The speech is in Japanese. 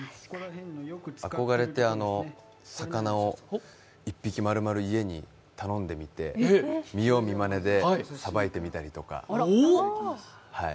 憧れて、魚を１匹丸々家に頼んでみて見よう見まねでさばいてみたりとか。